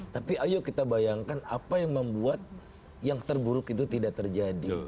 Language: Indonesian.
tapi ayo kita bayangkan apa yang membuat yang terburuk itu tidak terjadi